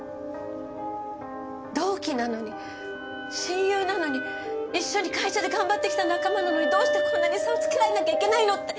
同期なのに親友なのに一緒に会社で頑張ってきた仲間なのにどうしてこんなに差をつけられなきゃいけないのって。